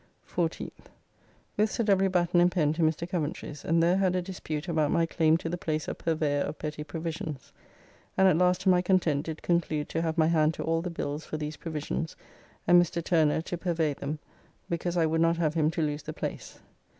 14th. With Sir W. Batten and Pen to Mr. Coventry's, and there had a dispute about my claim to the place of Purveyor of Petty provisions, and at last to my content did conclude to have my hand to all the bills for these provisions and Mr. Turner to purvey them, because I would not have him to lose the place.